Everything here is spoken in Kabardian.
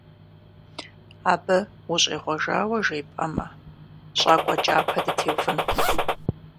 Абы ущӀегъуэжауэ жепӀэмэ, щӀакӀуэ кӀапэ дытеувэнкъым.